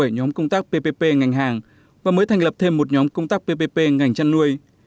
bảy nhóm công tác ppp ngành hàng và mới thành lập thêm một nhóm công tác ppp ngành chăn nuôi